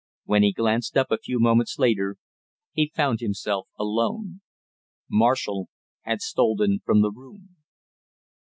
When he glanced up a few moments later, he found himself alone. Marshall had stolen from the room.